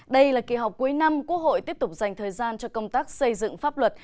đây là kỳ họp cuối năm quốc hội tiếp tục dành thời gian cho công tác xây dựng pháp luật